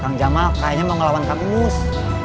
kang jamal kayaknya mau ngelawan tanggus